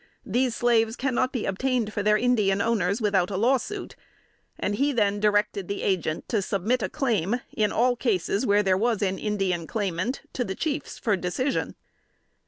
These slaves cannot be obtained for their Indian owners without a lawsuit;" and he then directed the Agent to submit the claim, in all cases where there was an Indian claimant, to the chiefs for decision.